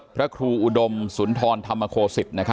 พระครูอุดมศุนธรธรรมครสุทธิ์